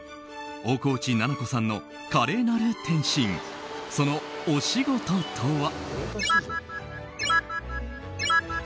大河内奈々子さんの華麗なる転身そのお仕事とは？